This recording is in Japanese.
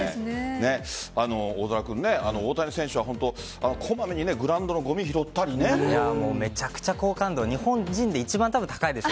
大空君、大谷選手はこまめにめちゃめちゃ好感度日本人で一番多分高いです。